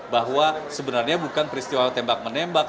bahwa sebenarnya bukan peristiwa tembak menembak